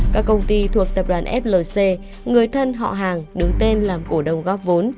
các công ty thuộc tập đoàn flc người thân họ hàng đứng tên làm cổ đồng góp vốn